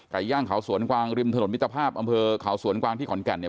ย่างเขาสวนกวางริมถนนมิตรภาพอำเภอเขาสวนกวางที่ขอนแก่นเนี่ย